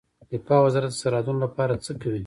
دفاع وزارت د سرحدونو لپاره څه کوي؟